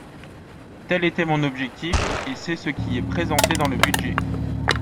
Tel était mon objectif et c’est ce qui est présenté dans le budget.